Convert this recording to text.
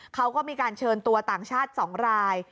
เขาก็มีการเชิญตัวต่างชาติ๒ราย